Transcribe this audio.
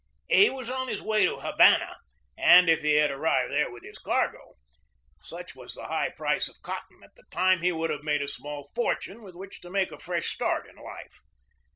He was on his way to Havana, and if he had arrived there with his cargo, such was the high price of cotton at the time, he would have made a small fortune with which to make a fresh start in life.